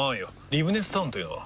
リブネスタウンというのは？